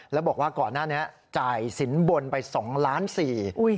แล้วบอกว่าก่อนหน้านี้จ่ายสินบนไป๒ล้านสี่